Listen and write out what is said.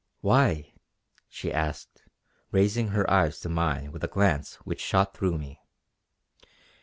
"Why?" she asked raising her eyes to mine with a glance which shot through me.